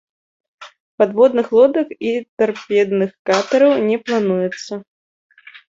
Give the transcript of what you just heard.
Падводных лодак і тарпедных катэраў не плануецца.